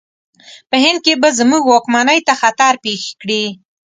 په هند کې به زموږ واکمنۍ ته خطر پېښ کړي.